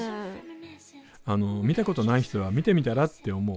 見たことない人は見てみたらって思う。